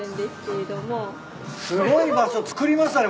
すごい場所造りましたね